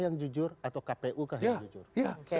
yang jujur atau kpu kah yang jujur